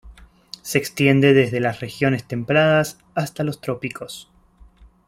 Se extiende desde las regiones templadas hasta los trópicos.